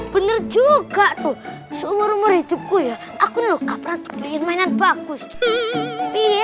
bener juga tuh seumur umur hidupku ya aku ngekaperan mainan bagus pilih